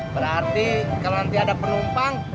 berarti kalau nanti ada penumpang